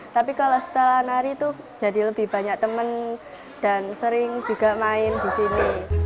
tapi kalau setelah nari itu jadi lebih banyak teman dan sering juga main di sini